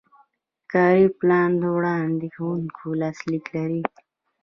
کاري پلان د وړاندې کوونکي لاسلیک لري.